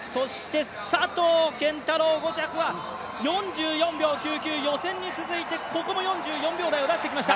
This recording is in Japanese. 佐藤拳太郎５着は４４秒９９、予選に続いて、ここも４４秒台を出してきました。